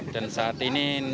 dan saat ini